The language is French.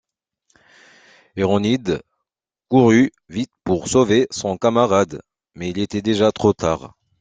Ironhide couru vite pour sauver son camarade, mais il était déjà trop tard.